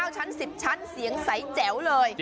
ชั้น๑๐ชั้นเสียงใสแจ๋วเลย